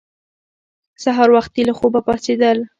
سهار وختي له خوبه پاڅېدل